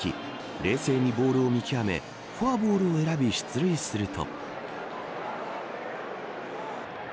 冷静にボールを見極めフォアボールを選び出塁すると。